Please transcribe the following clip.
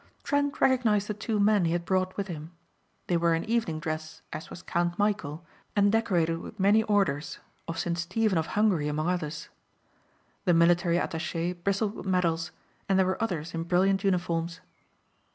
Trent recognized the two men he had brought with him. They were in evening dress as was Count Michæl and decorated with many orders, of St. Stephen of Hungary among others. The military attaché bristled with medals and there were others in brilliant uniforms.